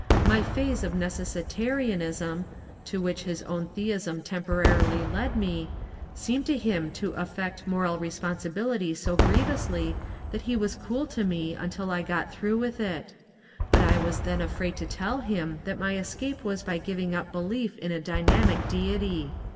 My phase of Necessitarianism — to which his own theism temporarily led me — seemed to him to affect moral responsi bility so grievously that he was cool to me until I got through with it ; but I was then afraid to tell him that my escape was by giving up belief in a dynamic deity.